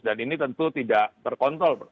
dan ini tentu tidak terkontrol